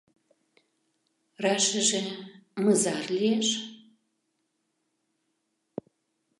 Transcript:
— Рашыже... мызар лиеш?